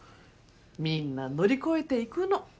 みんな乗り越えていくの。